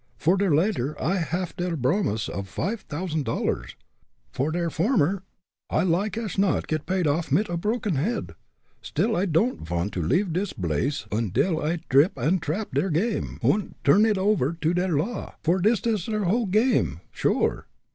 For der latter I haff der bromise of five t'ousand dollars for der former, I like ash not get paid off mit a proken head. Still I don'd vant to leave dis blace ondil I trip und trap der game, und turn id over to der law, for dis is der whole game, sure!"